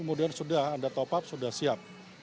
kemudian sudah anda top up sudah siap